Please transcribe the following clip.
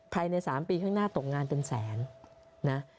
ภายใน๓ปีข้างหน้าตกงานเป็นแสนนะ